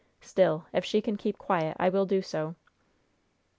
Still, if she can keep quiet, I will do so."